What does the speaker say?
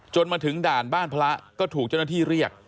มาถึงด่านบ้านพระก็ถูกเจ้าหน้าที่เรียก